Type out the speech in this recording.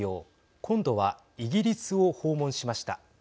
今度はイギリスを訪問しました。